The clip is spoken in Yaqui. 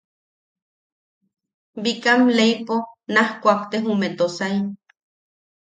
Bikam leipo naj kuakte jume Tosai.